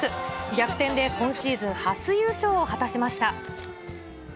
逆転で今シーズン初優勝を果たしました。